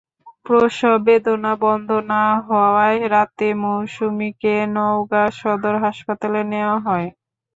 প্রসববেদনা বন্ধ না হওয়ায় রাতে মৌসুমিকে নওগাঁ সদর হাসপাতালে নেওয়া হয়।